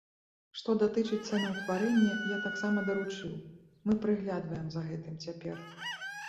Што датычыць цэнаўтварэння, я таксама даручыў, мы прыглядваем за гэтым цяпер.